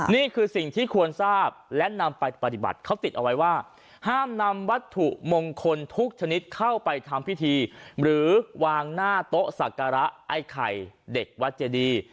นี่คือสิ่งที่ควรทราบและนำไปปฏิบัติเขาติดเอาไว้ว่าห้ามนำวัตถุมงคลทุกชนิดเข้าไปทำพิธีหรือวางหน้าโต๊ะสักการะไอ้ไข่เด็กวัดเจดี